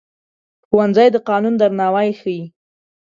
ښوونځی د قانون درناوی ښيي